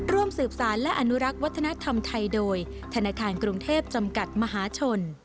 ร่วมสืบสารและอนุรักษ์วัฒนธรรมไทยโดยธนาคารกรุงเทพจำกัดมหาชน